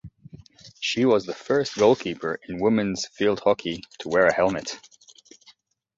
She was the first goalkeeper in women's field hockey to wear a helmet.